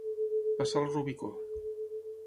Passar el Rubicó.